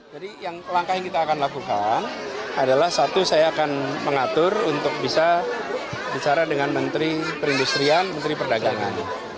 jadi yang langkah yang kita akan lakukan adalah satu saya akan mengatur untuk bisa bicara dengan menteri perindustrian menteri perdagangan